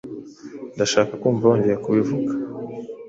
Ndashaka kumva wongeye kubivuga.